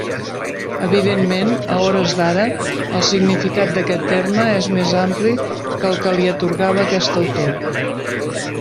Evidentment, a hores d'ara, el significat d'aquest terme és més ampli que el que li atorgava aquest autor.